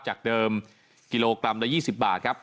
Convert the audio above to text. จากเดิมกิโลกรัมละ๒๐บาทครับ